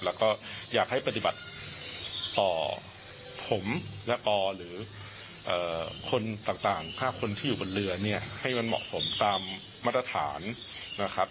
แล้วก็อยากให้ปฏิบัติต่อผมและปอหรือคนต่าง๕คนที่อยู่บนเรือเนี่ยให้มันเหมาะสมตามมาตรฐานนะครับ